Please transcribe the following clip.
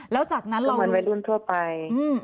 ก็เหมือนว่ารุ่นทั่วไป